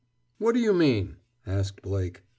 "What do you mean?" asked Blake.